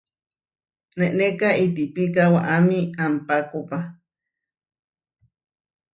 Nenéka ihtipíka waʼámia ampákopa.